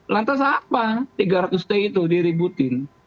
lantas apa tiga ratus t itu diributin